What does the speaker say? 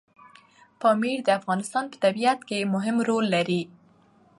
پامیر د افغانستان په طبیعت کې مهم رول لري.